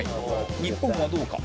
「日本はどうか？」